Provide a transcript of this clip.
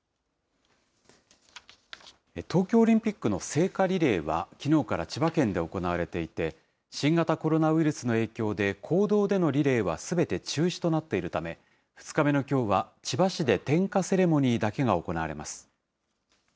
東京オリンピックの聖火リレーは、きのうから千葉県で行われていて、新型コロナウイルスの影響で、公道でのリレーはすべて中止となっているため、２日目のきょうは千葉市で点火セレモニーだけが行われます。